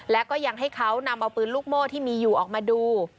และก็ยังให้เขานำเอาปืนลูกโม่ที่มีอยู่ออกมาดู